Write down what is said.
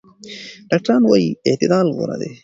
ډاکټران وايي اعتدال غوره دی.